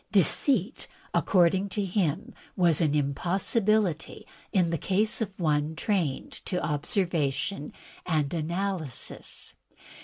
Deceit, according to him, was an impossibility in the case of one trained to observation and analysis.